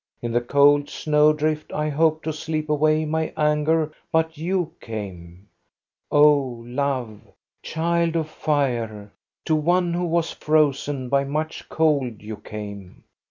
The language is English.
In the cold snow drift I hoped to sleep away my anger, but you came. O Love, child of fire, to one who was frozen by much cold you came.